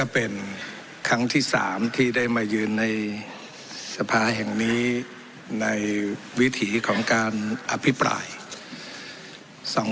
พี่ได้มายืนในสภาแห่งนี้ในวิถีของการอภิปรายสอง